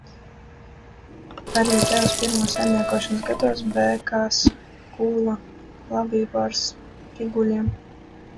Arī tēvs pirmos saimniekošanas gados Bēkās kūla labību ar spriguļiem.